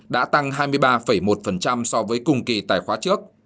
đã tăng hai mươi ba một so với cùng kỳ tài khoá trước